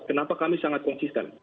kenapa kami sangat konsisten